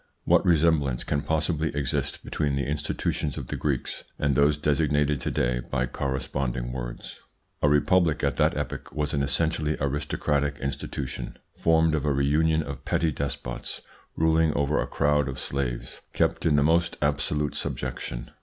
What resemblance can possibly exist between the institutions of the Greeks and those designated to day by corresponding words? A republic at that epoch was an essentially aristocratic institution, formed of a reunion of petty despots ruling over a crowd of slaves kept in the most absolute subjection.